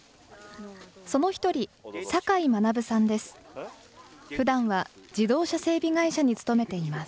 その一人、酒井学さんです。